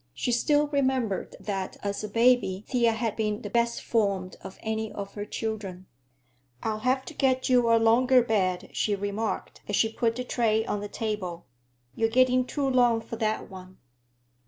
She still remembered that, as a baby, Thea had been the "best formed" of any of her children. "I'll have to get you a longer bed," she remarked, as she put the tray on the table. "You're getting too long for that one."